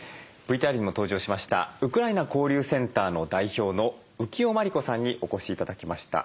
ＶＴＲにも登場しましたウクライナ交流センターの代表の浮世満理子さんにお越し頂きました。